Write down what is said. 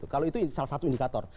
kalau itu salah satu indikator